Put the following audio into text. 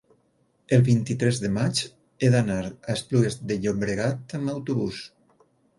el vint-i-tres de maig he d'anar a Esplugues de Llobregat amb autobús.